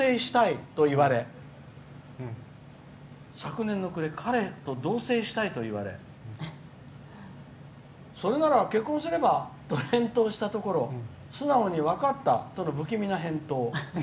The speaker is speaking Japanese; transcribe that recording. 昨年の暮れ彼と同せいしたいと言われそれなら結婚すれば？と返答したところ素直に分かったとの不気味な返答。